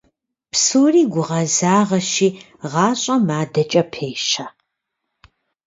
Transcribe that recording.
Псори гугъэзагъэщи, гъащӀэм адэкӀэ пещэ.